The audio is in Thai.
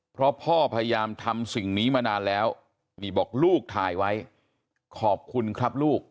เพราะพ่อพยายามทำสิ่งนี้มานานแล้วนี่บอกลูกถ่ายไว้ขอบคุณครับลูก